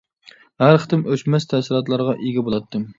ھەر قېتىم ئۆچمەس تەسىراتلارغا ئىگە بولاتتىم.